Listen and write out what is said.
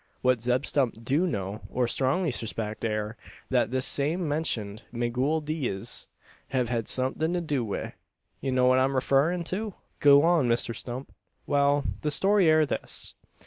What Zeb Stump do know, or strongly surspect, air, thet this same mentioned Migooel Dee ez hev had somethin' to do wi' You know what I'm refarrin' to?" "Go on, Mr Stump!" "Wal, the story air this.